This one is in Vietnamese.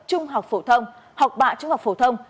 trung học phổ thông học bạ trung học phổ thông